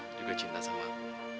juga cinta sama aku